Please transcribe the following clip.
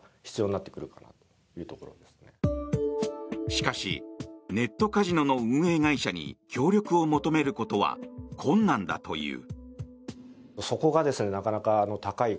しかしネットカジノの運営会社に協力を求めることは困難だという。